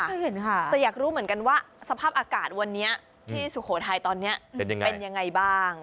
แต่อยากรู้เหมือนกันว่าสภาพอากาศวันนี้ที่สุโขทัยตอนนี้เป็นยังไงเป็นยังไงบ้าง